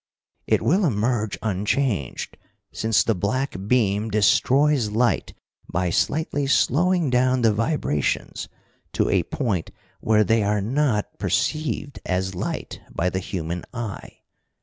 "It will emerge unchanged, since the black beam destroys light by slightly slowing down the vibrations to a point where they are not perceived as light by the human eye.